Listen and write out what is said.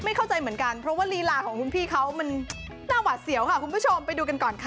เข้าใจเหมือนกันเพราะว่าลีลาของคุณพี่เขามันน่าหวาดเสียวค่ะคุณผู้ชมไปดูกันก่อนค่ะ